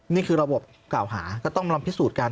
นี่คือระบบกล่าวหาก็ต้องลองพิสูจน์กัน